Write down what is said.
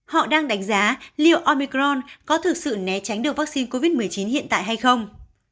họ đang đánh giá liệu omicron có thực sự né tránh được vaccine covid một mươi chín hiện tại hay không